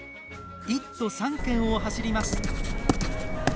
１都３県を走ります。